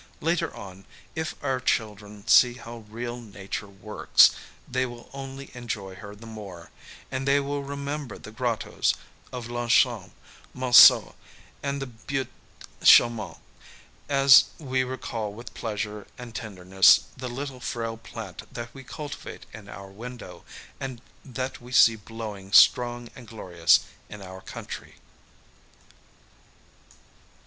Later on, if our children see how real Nature works, they will only enjoy her the more, and they will remember the grottoes of Longchamp, Monceaux and the Buttes Chaumont, as we recall with pleasure and tenderness the little frail plant that we cultivate in our window ; and that we see blowing strong and glorious in our country.